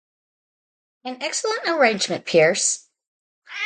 An excellent arrangement, Pearce.